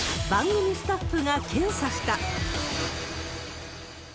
番組スタッフが検査した。